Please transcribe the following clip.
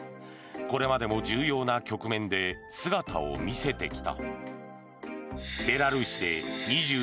これまでも重要な局面で姿を見せてきた。